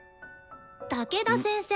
武田先生